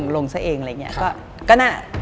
ลงซะเองอะไรอย่างนี้